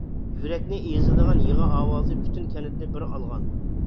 يۈرەكنى ئېزىدىغان يىغا ئاۋازى پۈتۈن كەنتنى بىر ئالغان.